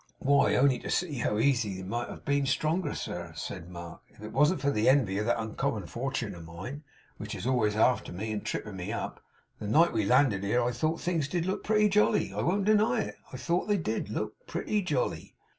'Why, only see how easy they might have been stronger, sir,' said Mark, 'if it wasn't for the envy of that uncommon fortun of mine, which is always after me, and tripping me up. The night we landed here, I thought things did look pretty jolly. I won't deny it. I thought they did look pretty jolly.